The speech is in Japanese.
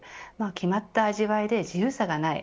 決まった味わいで自由さがない